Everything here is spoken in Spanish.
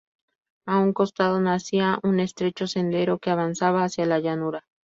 A un costado, nacía un estrecho sendero que avanzaba hacia la llanura.